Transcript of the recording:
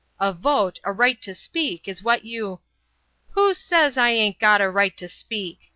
A vote, a right to speak is what you " "Who says I a'n't got a right to speak?"